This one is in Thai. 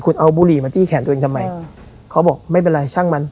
คุณเอาบุหรี่มาจี้แขนตัวเองทำไมเขาบอกไม่เป็นไรช่างมัน